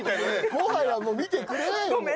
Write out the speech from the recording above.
もはやもう見てくれないもん。